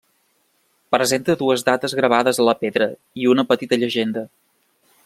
Presenta dues dates gravades a la pedra i una petita llegenda.